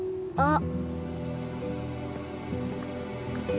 あ。